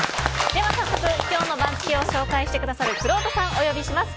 では早速、今日の番付を紹介してくださるくろうとさんをお呼びします。